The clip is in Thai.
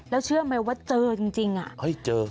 แล้วเชื่อไหมว่าเจอจริงอ่ะเฮ้ยเจอ